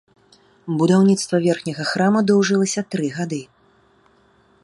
Будаўніцтва верхняга храма доўжылася тры гады.